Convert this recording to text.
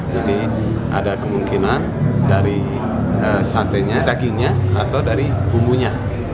jadi ada kemungkinan dari satenya dagingnya atau dari bumbunya